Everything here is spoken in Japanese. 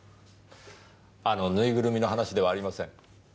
あのぬいぐるみの話ではありません。